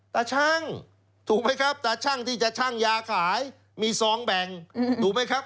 ช่างถูกไหมครับตาชั่งที่จะชั่งยาขายมีซองแบ่งถูกไหมครับ